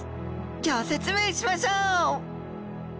ギョ説明しましょう！